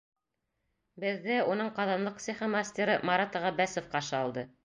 Беҙҙе уның ҡаҙанлыҡ цехы мастеры Марат Ғәббәсов ҡаршы алды.